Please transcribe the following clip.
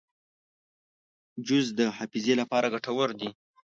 جوز د حافظې لپاره ګټور دي.